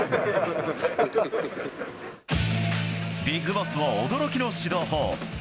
ビッグボスも驚きの指導法。